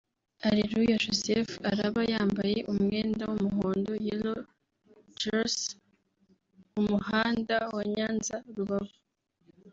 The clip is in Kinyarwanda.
Areruya Joseph araba yambaye umwenda w'umuhondo (Yellow Jersey) mu muhanda wa Nyanza-Rubavu